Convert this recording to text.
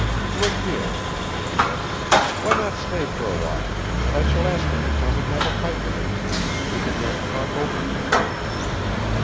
"Look here!" I said, "why not stay for a while: and I shall ask him to come and have a pipe with us. We can then talk over things."